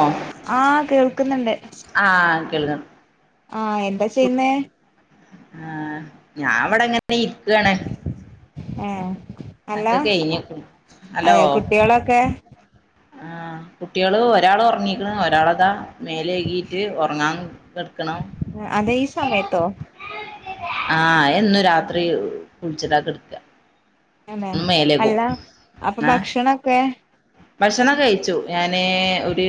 ഓ ആഹ് കേൾക്കുന്നുണ്ട് [unintelligible] ആഹ എന്താ ചെയ്യുന്നേ ആഹ് ഞാൻ അവിടെ എങ്ങനെ ഇരിക്കയാണ് ഏഹ് അല്ല കഴിഞ്ഞ്ക്ക്ണ് ഹലോ അതെ കുട്ടികളൊക്കെ ആഹ് കുട്ടികള് ഒരാള് ഉറങ്ങിക്കണ് ഒരാളതാ മേലേകീട്ട് ഉറങ്ങാൻ കെടക്ക്ണു അതേ ഈ സമയത്തോ ആഹ് എന്നും രാത്രി കുളിച്ചിട്ടാ കെടുക്കാ ആന്നേ അല്ല അപ്പൊ ഏഹ് ഭക്ഷണൊക്കെ ഭക്ഷണം കഴിച്ചു ഞാന് ഒരു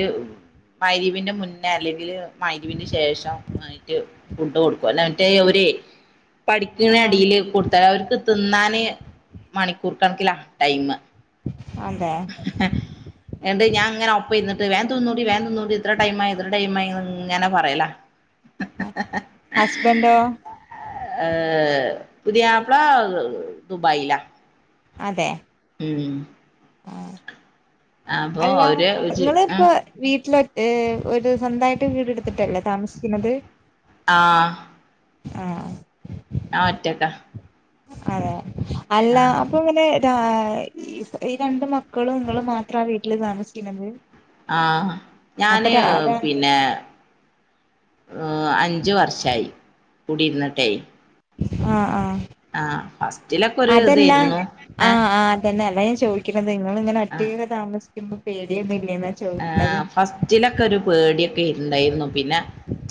മഗ്‌രിബിന് മുന്നേ അല്ലെങ്കില് മഗ്‌രിബിന്റെ ശേഷം ആയിട്ട് ഫുഡ് കൊടുക്കും അല്ലേ മറ്റേ ഒരേ ആഹ് പഠിക്ക്ണടിയില് കൊടുത്താല് അവർക്ക് തിന്നാന് മണിക്കൂർ കണക്കില ടൈമ് അതെ എണ്ട് ഞാൻ അങ്ങനെ ഒപ്പ ഇര് വേൻ തിന്നോടി വേൻ തിന്നോടി ഇത്ര ടൈം ആയി ഇത്ര ടൈമായി ഇങ്ങനെ പറയലാ ആഹ് ഹസ്ബൻ്റോ ആഹ് പുതിയാപ്പ്ള ദുബായിലാ അതെ മ് ആഹ് അല്ല അവര് ആഹ് ഇങ്ങളിപ്പ വീട്ടില് ഒ ഏഹ് ഒരു സ്വന്തമായിട്ട് വീടെടുത്തിട്ടല്ലേ താമസിക്കുന്നത് ആഹ് ആഹ് ഞാൻ ഒറ്റക്കാ അതെ അല്ല ആഹ് അപ്പൊ പിന്നെ ഈ രണ്ട് മക്കളും നിങ്ങളും മാത്ര ത്ര വീട്ടില് താമസിക്കുന്നത് ആഹ് അപ്പൊ ഞാന് രാ ആഹ് പിന്നെ അഞ്ച് വർഷായി കൂടീരുന്നട്ടെ ആഹ് ആഹ് ഫസ്റ്റിലൊക്കെ ഒരു അതല്ല ഇതായിരുന്നു ഏഹ് ആഹ് ആഹ് അതല്ല ഞാൻ ചോ നിങ്ങളിങ്ങനെ ആഹ് ഒറ്റക്കൊക്കെ താമസിക്കുമ്പോ പേടിയൊന്നുമില്ലേ ആഹ് ഫസ്റ്റിലൊക്കെ ഒരു പേടിയൊക്കെ ഇണ്ടായിരുന്നു പിന്നെ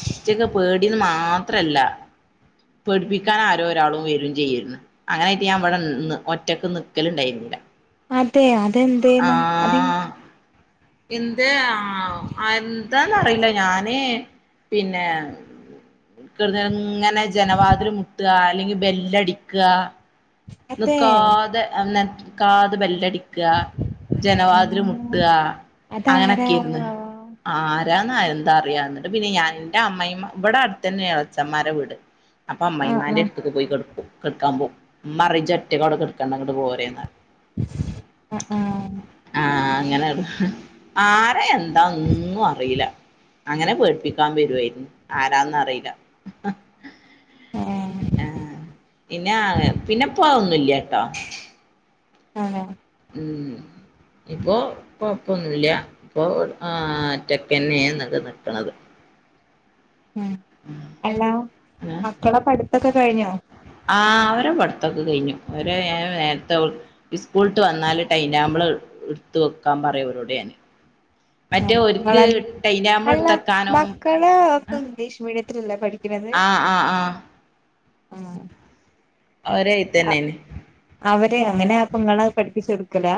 ഫസ്റ്റൊക്കെ പേടീന്ന് മാത്രവല്ല പേഠിപ്പിക്കാൻ ആരോ ഒരാളും വരുവേം ചെയ്യാരുന്നു അങ്ങനൊയിട്ട് ഞാൻ ഇവിടെ ഒറ്റക്ക് നിക്കല് ഉണ്ടായിരുന്നില്ല അതെയൊ അതെന്തായിന് അത് എന്ത് ആ എന്താന്ന അറിയില്ല ഞാന് പിന്നെ ക ഇങ്ങനെ ജനവാതിൽ മുട്ടുക അല്ലെങ്കിൽ ബെല്ലടിക്കുക അതെ നിക്കാതെ ന കാതെ ബെല്ലട ജനവാതിൽ മുട്ടുക അതാരാ അങ്ങനൊക്കെയിരുന്നു ആ എന്താ അറിയാവന്നണ്ട് പിന്നെ ഞാൻ എന്റെ അമ്മയമ്മ ഇവിടെ അടുത്തന്നെ ഇളച്ചന്മാരെ വീട് അപ്പൊ ആഹ് അമ്മായ്മാന്റെ അടുത്തേക്ക് പോയി കക്കു കെടക്കാൻ പോ അമ്മ അറിയിച്ച ഒറ്റക്കവിടെ കെടുക്കണ്ട അങ്ങോട്ട പോര എന്നാ ആ ആ ആഹ അങ്ങനെ ആരെ എന്താ ഒന്നും അറീല്ല അങ്ങനെ പേഠിപ്പിക്കാൻ വരുവയിരുന്നു ആരാന്ന അറിയില്ല ആഹ് ഏഹ് ആഹ പിന്നെ പിന്നെ പോ ഒന്നുല്ല്യ ട്ടോ ആ ഉം ഇപ്പൊ കൊഴപ്പൊന്നുല്ല്യ ഇപ്പൊ ആ ഒറ്റക്കന്നെയന്നക്ക നിക്കണത് ഉം അല്ല മക്കളെ പഠിത്തൊക്കെ കഴിഞ്ഞോ ആഹ അവരെ പടത്തൊക്കെ കഴിഞ്ഞു അവരെ നേരത്തെ സ്കൂളട്ട് വന്നാല് ടൈം ടേബിള് എടുത്ത് വെക്കാൻ പറയ ഓരോട് ഞാന്. മറ്റേ ആണോ ഒര്ക് നിങ്ങളെ ടൈനാബ്ൾ അല്ല എടുത്തക്കാനും. മക്കള് ഒക്കെ ഇംഗ്ലീഷ് ആ ആ ആഹ. ആഹ. അവരെ അ എഴുത്തന്നെയാണ് അവര് അങ്ങനെപ്പൊ ങ്ങള് പഠിപ്പിച്ച് കൊടുക്കലാ.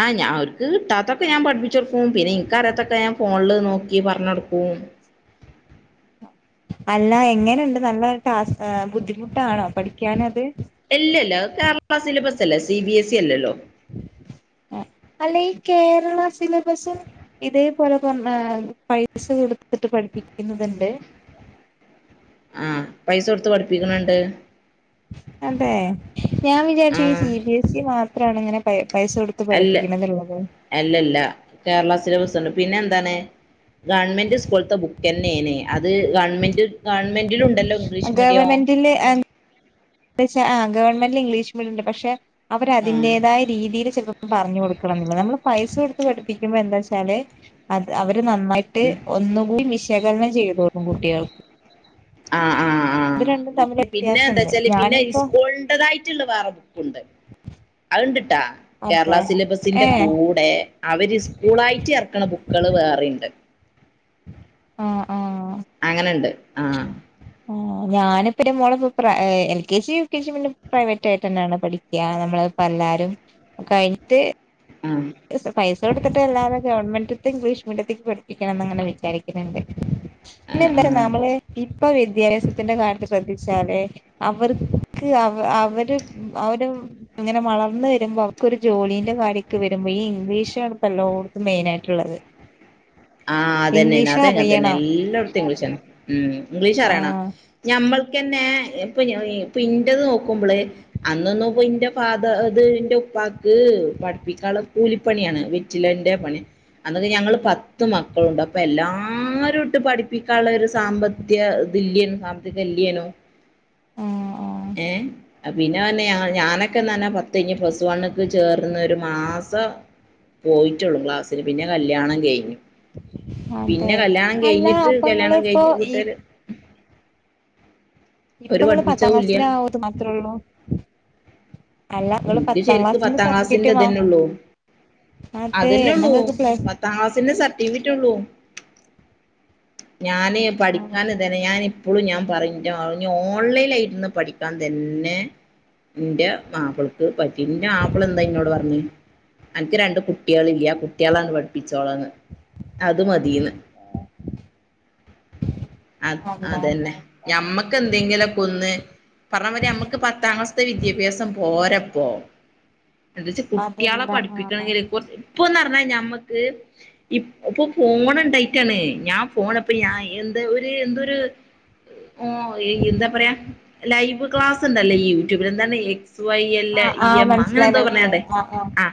ആഹ ഞാ ഞാൻ അവര്ക്ക് കിട്ടാത്തപ്പൊ ഞാൻ പഠിപ്പിച്ചൊടുക്കും പിന്നെ ഇനിക്ക് അറിയാത്തൊക്കെ ഞാൻ ഫോണിൽ നോക്കി പറഞൊടുക്കും. ഉം. ട്ടാസ് ബുദ്ധിമുട്ടാണോ പഠിക്കാനത്. ഇല്ലല്ല അത് കേരള സിലബസ് അല്ലേ സി ബി എസ് ഇ അല്ലലോ. അലേയ് കേരള സിലബസും. ഇതേപോലെപ്പം മ്മ് പൈസ കൊടുത്തിട്ട് പഠിപ്പിക്കുന്നതിണ്ട്. ആഹ പൈസ കൊടുത്ത് പഠിപ്പിക്കണണ്ട്. അതേ ഞാൻ വിചാരിച്ചു ഈ ആഹ് സി ബി എസ് ഇ മാത്രാണ് ഇങ്ങനെ പൈസ കൊടുത്ത് അല്ല പഠിപ്പിക്കണന്നുള്ളത് അല്ലല്ല കേരളാ സില്ലബസാണ് പിന്നെ എന്താണ്. ഗവൺമെന്റ് ഉസ്ക്കൂളത്തെ ബുക്ക് ന്നെയാന് അത് ഗവൺമെന്റ് ഗവൺമെന്റ്. ഗവൺന്റില് [inaudible] ന്ത്‌യൊച്ച ഗവൺമെന്റിൽ ഇംഗ്ലീഷ്. പക്ഷെ അവര് ആഹ് അതിന്റേതായ രീതിൽ ചെലപ്പം. പറഞ്ഞു കൊടുക്കണം ന്നില്ല നമ്മള് പൈസ കൊടുത്ത് പഠിപ്പിക്കുമ്പോ ന്താച്ചാല് അത് അവര് ഇത് നന്നായിട്ട് ഉം ഒന്നുകൂ വിശകലനം ചെയ്തോണ്ടു കുട്ട്യേൾക്ക്. ആ. അത് രണ്ട്. പിന്നെ എന്താ ച്ചാല് പിന്നെ ഇസ്ക്കൂൾണ്ടതായിട്ടിള്ള വേറെ ബുക്കുണ്ട്. അതിണ്ടിട്ടാ കേരള അതെ ഏ സിലബസിന്റെ കൂടെ അവര് സ്കൂളായിട്ട് എറക്കണ ബുക്ക്. [unintelligible] വേറെണ്ട് ആഹ ആഹ. അങ്ങനെണ്ട് ആ. ആ ഞാനിപ്പ ന്റെ മോളേ L K G U K G പിന്നെ പ്രൈവറ്റായിട്ടനാണ് പഠിക്കാ നമ്മള്. പ്പല്ലാരും കയിഞ്ഞിട്ട്. ആഹ് പയ്സ്. കൊടുത്തിട്ട് എല്ലാതനെ ഗവൺമെന്റ്ത്തേ ഇംഗ്ലീഷ് മീഡിയത്തിക്ക് പഠപ്പിക്കണന്ന് ഇങ്ങനെ വിചാരിക്കിണ്ട്. ആഹ് പിന്നെന്താ ആഹ് നമ്മള് ഇപ്പൊ വിദ്യാഭ്യാസത്തിന്റെ കാര്യത്ത് ശ്രദ്ധി ച്ചാലേ അവർക്ക് അവ അവര് അവര് അങ്ങനെ വളർന്ന് വരുമ്പോ. ക്ക് ഒരു ജോലീന്റെ കാര്യൊക്കെ വരുമ്പോ ഈ ഇംഗ്ലീഷ് ആണ് ഇപ്പോ എലോട്ത്തും മെയിനായിട്ടിള്ളത്. ആഹ് അതന്നെന അത് അങ്ങനെ തന്നെ എലലോട്ത്തും ഇംഗ്ലീഷ് തന്നെ ഉം ഇംഗ്ലീഷ് അറിയണം. ആഹ് ഞമ്മൾ. ക്ക്യനെ ഇപ്പൊ ഇപ്പൊ ഇന്റത് നോക്കുമ്പോള് അന്നൊന്നും ഇപ്പം ഇന്റെ ഫാതർ അത് ഇന്റെ പ്പാക്ക് പഠിപ്പിക്കാള്ള കൂലിപ്പണിയാണ്. വെറ്റിലന്റെ പണി അന്നൊക്കെ ഞങ്ങള് പ ത്ത് മക്കളുണ്ട് അപ്പൊ എല്ലാരുട്ട് പഠിപ്പിക്കാള്ള ഒരു സാമ്പത്ത്യ ഇതില്യ സാമ്പത്തികല്യേ യേനൂ ആഹ് ആഹ് ഏ. ആ പിന്നെ പറഞ്ഞ് ഞാ ഞാനൊക്കെന്നാനെ പത്ത്കയിഞ്ഞ് പ്ലസ് വണ്ണ ക്ക് ചേർന്ന് ഒരു മാസം. പോയിട്ടുള്ളു ക്ലാസ്സില് പിന്നെ കല്യാണം കയിഞ്ഞു. അതെ പിന്നെ കല്യാണം അല്ല കയിഞ്ഞിട്ട് അപ്പൊ കല്യാണം ഇങ്ങളിപ്പോ കയിഞ്ഞ ഈ കൂട്ടുര് ഇപ്പൊ ങ്ങള് പത്താം ക്ലാസ്സ്‌ലെ ആ ഒരു ത് മാത്രള്ളൂ. ഇനിക്ക് ശരിക്ക് പത്താം ക്ലാസിന്റെ സർട്ടിഫിക്കറ്റ് വാ ഇതനെയുള്ളു. അതെ അതെന്നെ എന്നാ ഉള്ളൂ ഇങ്ങക്ക് പ്ലസ് പത്താം ക്ലാസിന്റെ സർട്ടിഫിക്കറ്റ് ഉള്ളു. ഞാന് ആഹ് പഠിക്കാൻ ഇതന്നെ ഞാൻ. ഇപ്പോളും ഞാൻ പറയും ഇന്റെ ഓൺലൈലായിരുന്ന് പഠിക്കാൻ തന്നെ. ഇന്റെ മാപ്പിളക്ക് പറ്റി ഇന്റെ മാപ്പിള എന്താ ഇന്നോട് പറഞ്ഞേ. അനക്ക് രണ്ട്‌ കുട്ട്യേള്ളില്യാ കുട്ട്യേളേ അങ്ങ് പഠിപ്പിച്ചോളാന്ന്. അത് മതീന്ന്. [inaudible] അ അല്ല അതന്നെ, ഞമ്മക്ക് എന്തെങ്കിലൊക്കൊന്ന്. പറഞ്ഞമാരി അമ്മക്ക് പത്താം ക്ലാസ്ത്തെ വിദ്യാഭ്യാസം പോര. ന്താച്ച കുട്ട്യേളെ അതല്ല ആഹ് പഠിപ്പിക്കണങ്കി ഇപ്പന്ന് പറഞ്ഞ ഞമ്മക്ക് ഇപ്പൊ ഫോൺ ഇണ്ടായിട്ടാണ് ഞാൻ ഫോണ്പ്പ ഞാൻ എ ഒരു എന്തൊരു. [inaudible] ഓ എന്താ പറയാ ലൈവ് ക്ലാസ്ണ്ടല്ലോ ഈ യൂട്യൂബില് എന്താണ് എക്സ് വൈ എല് എ. ആഹ് ആഹ് ഇയമ്മ അങ്ങനെ മനസ്സിലായി എന്തോ മനസ്സിലായി പറഞ്ഞ്ങ്ങാണ്ട് ആഹ് ആ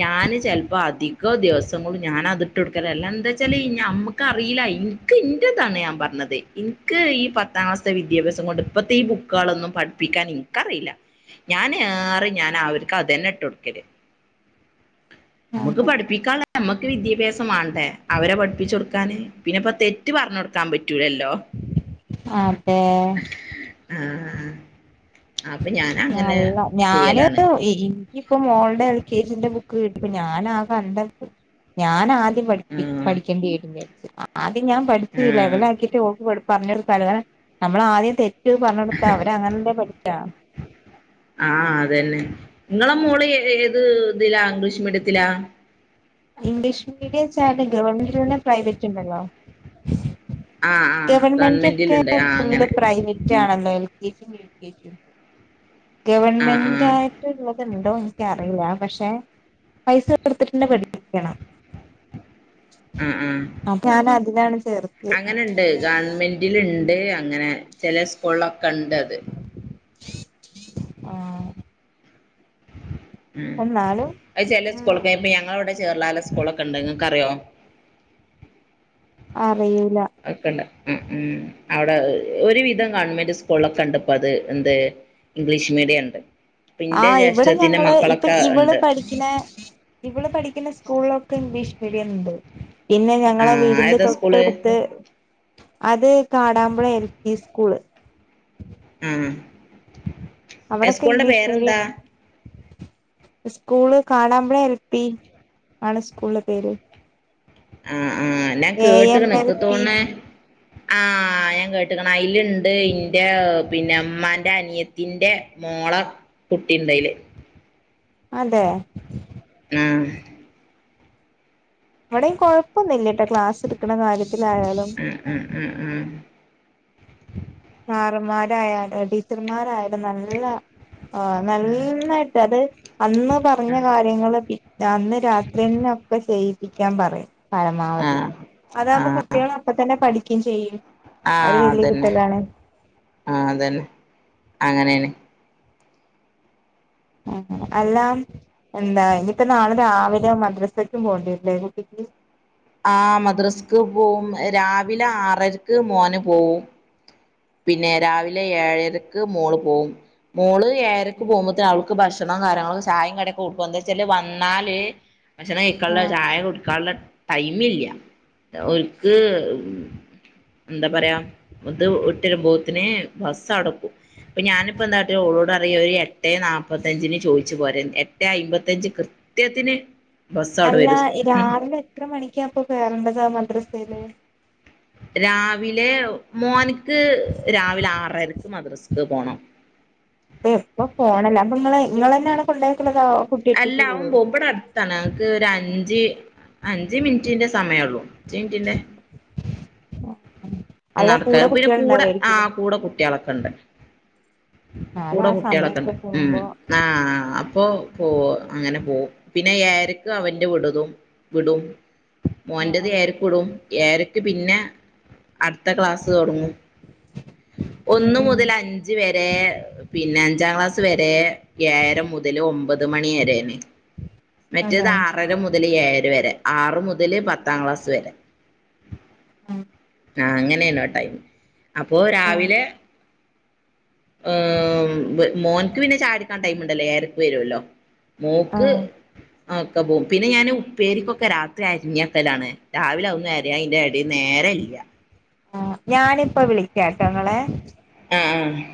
ഞാന് ചിലപ്പോ അധികോ ദിവസംകൊണ്ട് ഞാൻ. ന്നാ അത് ഇട്ട് കൊടുക്കലല്ല. ന്താ വെച്ചാല് ഞമ്മക്ക് അറിയില്ല ഇൻക്ക് ഇന്റെതാണ് ഞാൻ പറഞ്ഞത് ഇൻക്ക്. ഈ പത്താം ക്ലാസ്ത്തെ വിദ്യാഭ്യാസം കൊണ്ട് ഇപ്പത്തെ ഈ ബുക്കേളൊന്നും പഠിപ്പിക്കാൻ ഇൻക്കറീല ഞാന്. ഞാൻ അവർക്ക് അതന്നെ ഇട്ട് കൊടുക്കല്. അമ്മക്ക് ആഹ് പഠിപ്പിക്കാള്ള അമ്മക്ക് വിദ്യാഭ്യാസം വാണ്ടേ അവരെ പഠിപ്പിച്ചൊടുക്കാന്. പിന്നെപ്പൊ തെറ്റ് പറഞ്ഞൊടുക്കാൻ പ അതെ. ആ ആ. നല്ല ഞാന് ചെയ്യലാണ് ഇനിക്ക് ഇപ്പോ മോൾടെ എൽ കെജിന്റെ ബു [inaudible] ഞാൻ ആ കണ്ട ഞാൻ ആദ്യം പഠി ആഹ് പഠിക്കെണ്ടേരും വിചാര്ച്ച്. ഞാൻ പഠിച്ച് ആഹ് ലെവലാക്കീട്ട് ഓക്ക് പറഞ്ഞൊടുക്കാലോ കാരണം ഞമ്മള് ആദ്യം തെ പറഞ്ഞൊടുത്താ അവര് അങ്ങനല്ലെ പഠിക്കാ. ആ അതന്നെ ഇങ്ങളെ മോള് ഏത് ഇതിലാ ഇംഗ്ലീഷ് മീഡിയത്തിലാ. ഇംഗ്ലീഷ് മീഡിയംച്ചാ ഗവൺമെന്റിലെന്നെ പ്രൈവെറ്റ് ഇണ്ടല്ലോ. ആഹ് ആഹ് ഗവൺമെന്റ് ഒക്കെ ഗവൺമെന്റിലുണ്ട് ആഹ് ഫുള്ള് അങ്ങനെ പ്രൈവ [unintelligible] എൽ കെ ജി ഉം യൂ കെ ജി ഉം. ആഹ് ഗവൺമെന്റ് ആഹ് ആയിട്ട്ള്ളത്ണ്ടോ ഇൻക്കറീലപക്ഷെ പൈസ [inaudible] പഠിക്കണം. ആ ആ അതിലാണ് ചേർത്തിയെ അങ്ങനെ ണ്ട് ഗവൺമെന്റില് ഇണ്ട് അങ്ങനെ ചില സ്കൂളൊക്കെ ഇണ്ട് അത്. ആ. ഉം അദ് ചെല ഉം സ്കൂളൊക്കെ ഇപ്പൊ ഞങ്ങളെ ഇവിടെ ചേറളാല സ്കൂളൊക്കെ ഇണ്ട് ഇങ്ങക്ക് അറിയോ. അറിയൂ. [unintelligible] ഉം ഉം അവിടെ ഒരുവിധം ഗവൺമെന്റ് സ്കൂളൊക്കെ ഇണ്ട് ഇപ്പോ അത് എന്ത് ഇംഗ്ലീഷ് മീ ഇവിടെ ഇണ്ട്. ആ ഇവിടെ ഞങ്ങള് ഇപ്പൊ ഇവള് ഉണ്ട് പഠിക്ക്ണ. ഇവള് പഠിക്ക്ണ സ്കൂളിലൊക്കെ ഇംഗ്ലീഷ്. ണ്ട് പിന്നെ ഞങ്ങളെ ആഹ് വീടിന്റെ ഏതാ സ്കൂള് തൊട്ടടുത്ത്. അ. ആ സ്കൂളിന്റെ പേരെന്താ. സ്ക്കൂള്. ആ ആ ഞാൻ കേട്ട്ക്ക്ണ് എൽ ഇൻക്ക് പി തോണേ ആ. ഞാൻ കേട്ട്ക്ക്ണ് അയില്ണ്ട് ഇന്റെ പിന്നെ ഇമ്മാന്റെ അനിയത്തിന്റെ മോളെ. കുട്ടിണ്ടയില്. അതെ. ആ. ഇവിടെയും കൊഴപ്പൊന്നില്ലട്ടോ ക്ലാസ് എടുക്കണ കാര്യത്തിലായാലും. ആഹ് ആഹ് ആഹ് സാറുമാരായാ ടീച്ചർമാരായാലും നല്ല. ആ നന്നായിട്ട് അത് അന്ന് പറഞ്ഞ കാര്യങ്ങൾ പിന്നെ അന്ന് രാത്രിയെന്നെ. ഒക്കെ ചെയ്യിപ്പിക്കാൻ പറയും. പരമാവധി ആഹ് അതാകുമ്പോ ആഹ് കുട്ടികള അപ്പ തന്നെ പഠിക്കയും ചെയ്യും ആര് വല്ിയ കിട്ടലാണ് ആ അതന്നെ അങ്ങനെയന്ന ആ എല്ലാം എന്താ ഇനി തന്നെ ആള് രാവിലെ മദ്രസക്കും പോണ്ടിരല്ലേ കുട്ട ഉ ആ മദ്രസ്ക്ക് പോവും രാവിലെ ആറരക്ക് മോന് പോവും പിന്നെ രാവിലെ ഏഴരക്ക് മോള് പോകവും മോള് ഏഴരക്ക് പോകുമ്പോത്തേും അവൾക്ക് ഭക്ഷണം കങ്ങളും ചായം കടൊക്കെ കൊടുക്കും എന്താ വെച്ചാല് വന്നാല് പക്ഷേ കേക്കുള്ള ആഹ് ചായ കുടുക്കാനുള്ള ടൈ ഒക്ക് എന്താ പറയാ ഇത് ബോത്തിനെ ബസ് അടക്കും അപ്പൊ ഞാനിപ്പ എന്തഓോ പറ ഒരു എട്ട് നാല്പത്തഞ്ചിന് ചോദിച്ചു പോരെ എട്ട് അമ്പത്തഞ്ച് കൃത്യത്തിന് ബസ്സവടെ അല്ല വരും രാവിലെ എത്ര മണിക്കാപ്പൊ കേയറേണ്ടത്ാ മദ്രസയില് രാവിലെ മോനിക്ക് രാവിലെ ആറരക്ക് മദ്രസ്ക്ക് പോണം അപ്പൊ എപ്പൊ ഫോണല്ല അപ്പൊ നി നിങ്ങ തന്നെയാണ് കൊണ്ടോക്കുള്ളതോ അല്ലാവും ബബട അടുത്താണ് ക്ക് അഞ്ച് അഞ്ച മിനിറ്റിന്റെ സമയ ഉള്ളൂ അഞ്ച് മിനിറ്റിന്റെ അല്ല നടക്ക കൂടെ പിന്നെ കുട്ടികൾ കൂടെ ആ ഉണ്ടാവായിരിക്കൂലേ കൂടെ കുട്ടികളൊക്കെ എന്നാലും കൂടെ ആ കുട്ടികളൊക്കെ ഉണ്ട് സമയൊക്കെ ഉ പോകുമ്പോ ആഹ അപ്പൊ പോ അങ്ങനെ പോവും പിന്നെ ആർക്ക് അവന്റെ വിടതും വിടും ആഹ് മോന്റത് ആഹ് രക്ക ഇടും ഏരക്ക് പിന്നെ അടുത്ത ക്ലാസ് തുടങ്ങും ഉം ഒന്ന ഉം മുതൽ അഞ്ച് വരെ പിന്നെ അഞ്ചാം ക്ലാസ് വരെ ഏര മുതൽ ഒമ്പത് മണിരാണ് അതെ മറ്റേത് ആറര മുതൽ മുതൽ ഏഴ് വരെ ആറ് മുതൽ പത്താം ക്ലാസ് വരെ ഉം ആ അങ്ങനെയണോ ആ ടൈം അപ്പോൊ രാവിലെ ഏർ മോൻക്ക് പിന്നെ ചാടിക്കാൻ ടൈം ഉണ്ടല്ലേ ഇരക്ക് വരുവല്ലോ മൂക്ക് ആഹ് ആ ഒക്കെ പോകും പിന്നെ ഞാൻ ഉപ്പേരിക്കൊക്കെ രാത്രി അരിഞ്ഞത്തലാണ് രാവിലൊവന്ന അര അന്റെ അടി നേരെ ല്ല ആ ഞാനിപ്പോ വിളിക്കാം കേട്ടോങ്ങളെ ആഹ ആഹ